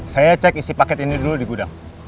saya cek isi paket ini dulu di gudang